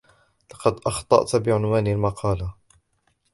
لقد اخطأت بعنوان المقالة